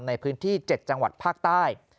ในพื้นที่๗จังหวัดภาคใต้